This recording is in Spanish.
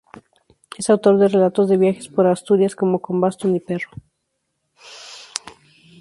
Es autor de relatos de viajes por Asturias, como "Con bastón y perro".